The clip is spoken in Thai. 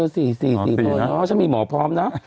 ฉันมีหมอพร้อมเนอะ